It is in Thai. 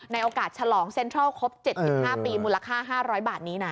โอกาสฉลองเซ็นทรัลครบ๗๕ปีมูลค่า๕๐๐บาทนี้นะ